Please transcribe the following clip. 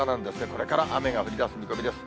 これから雨が降りだす見込みです。